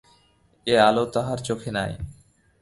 এ আলো তাহার চোখে নাই।